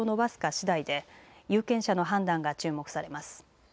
しだいで有権者の判断が注目されます。